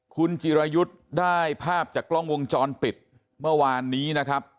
คุณจิรายุทธ์ได้ภาพจากกล้องวงจรปิดเมื่อวานนี้นะครับ